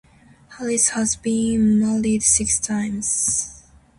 Harris has been married six times.